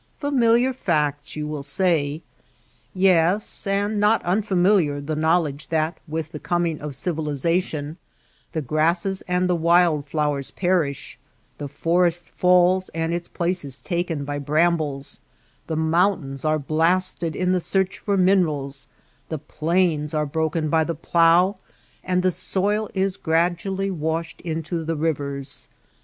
" Familiar facts/^ you will say. Yes ; and not unfamiliar the knowledge that with the coming of civilization the grasses and the wild flowers perish, the forest falls and its place is taken by brambles, the mountains are blasted in the search for minerals, the plains are broken by the plow and the soil is gradually washed into the rivers.